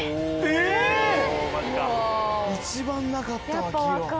一番なかったわ黄色。